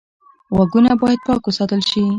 غوږونه باید پاک وساتل شي